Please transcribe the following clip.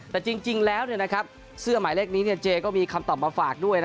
แต่จริงแล้วเสื้อหมายเลขนี้เจก็มีคำตอบมาฝากด้วย